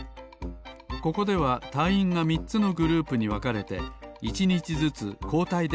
ここではたいいんが３つのグループにわかれて１にちずつこうたいではたらいています